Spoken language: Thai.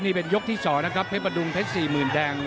นี่เป็นยกที่สองนะครับเพย์ประดุงเทศสี่หมื่นแดง